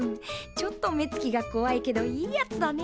ちょっと目つきがこわいけどいいやつだね。